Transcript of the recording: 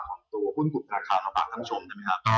ของตัวหุ้นกุมภาคาของปากคันชมใช่ไหมครับ